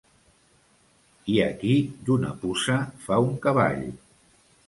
Hi ha qui d'una puça fa un cavall.